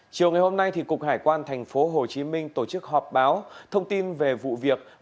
chiều ngày hôm nay cục hải quan tp hcm tổ chức họp báo thông tin về vụ việc